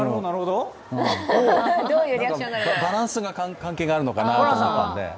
バランスが関係あるのかなと思ったんで。